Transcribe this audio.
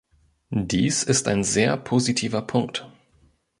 Dies ist ein sehr positiver Punkt.